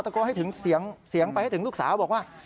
โกนให้ถึงเสียงไปให้ถึงลูกสาวบอกว่า